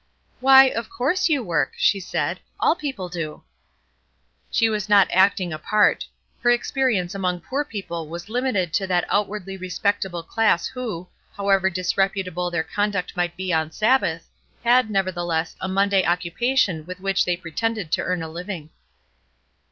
"Why, of course you work," she said; "people all do." She was not acting a part. Her experience among poor people was limited to that outwardly respectable class who, however disreputable their conduct might be on Sabbath, had, nevertheless a Monday occupation with which they pretended to earn a living.